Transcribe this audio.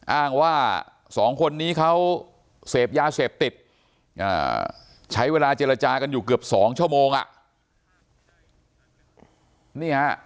อ้างว่าสองคนนี้เขาเสพยาเสพติดใช้เวลาเจรจากันอยู่เกือบ๒ชั่วโมง